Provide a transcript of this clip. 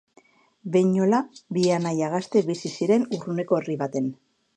Behinola, bi anaia gazte bizi ziren urruneko herri baten.